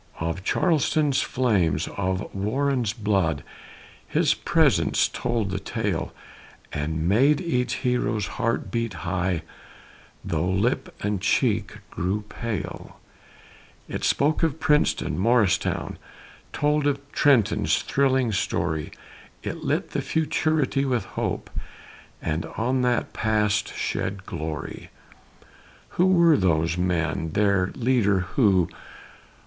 Of Charlestown's flames, of Warren's blood, His presence told the tale, It made each hero's heart beat high Though lip and cheek grew pale; It spoke of Princeton, Morristown, Told Trenton's thrilling story It lit futurity with hope, And on the past shed glory. Who were those men their leader who?